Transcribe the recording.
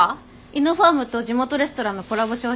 イノファームと地元レストランのコラボ